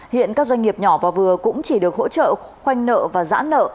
hiện các doanh nghiệp nhỏ và vừa cũng chỉ được hỗ trợ khoanh nợ và giãn nợ